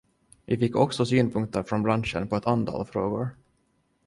Vi fick också synpunkter från branschen på ett antal frågor.